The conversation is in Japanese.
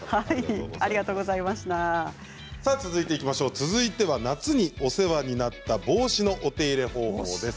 続いては夏にお世話になった帽子のお手入れ方法です。